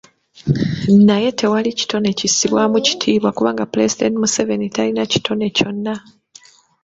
Naye tewali kitone kissibwamu kitiibwa kubanga Pulezidenti Museveni talina kitone kyonna.